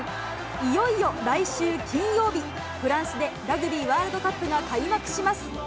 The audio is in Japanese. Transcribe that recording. いよいよ来週金曜日、フランスでラグビーワールドカップが開幕します。